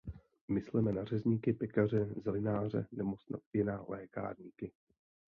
Mysleme na řezníky, pekaře, zelináře nebo snad i na lékárníky.